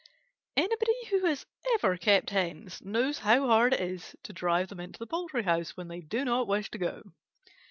Anybody who has ever kept Hens knows how hard it is to drive them into the poultry house when they do not wish to go.